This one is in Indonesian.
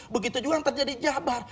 begitu juga yang terjadi jabar